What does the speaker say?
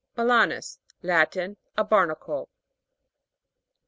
BALA'NUS. Latin. A barnacle.